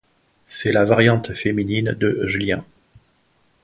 C'est la variante féminine de Julien.